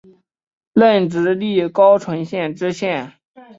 任直隶高淳县知县。